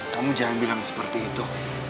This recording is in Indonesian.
kamu jangan bilang seperti itu